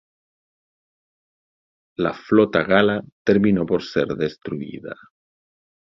La flota gala terminó por ser destruida.